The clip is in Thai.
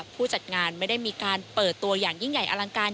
ผู้จัดงานไม่ได้มีการเปิดตัวอย่างยิ่งใหญ่อลังการ